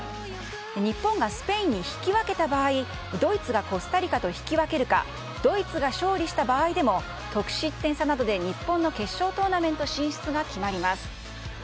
日本がスペインに引き分けた場合、ドイツがコスタリカと引き分けるか、ドイツが勝利した場合でも、得失点差などで日本の決勝トーナメント進出が決まります。